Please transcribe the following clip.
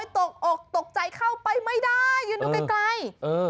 ตกออกตกใจเข้าไปไม่ได้อยู่นู่นไกล